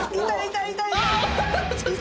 痛い痛い！